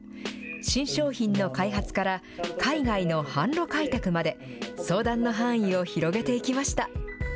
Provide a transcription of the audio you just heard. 新商品の開発から海外の販路開拓まで、相談の範囲を広げていきました。